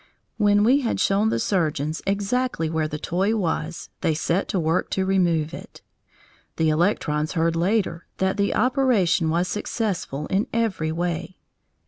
When we had shown the surgeons exactly where the toy was, they set to work to remove it. The electrons heard later that the operation was successful in every way.